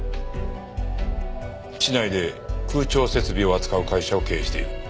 市内で空調設備を扱う会社を経営している。